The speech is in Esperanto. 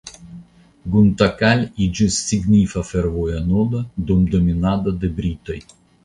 Guntakal iĝis signifa fervoja nodo dum dominado de britoj.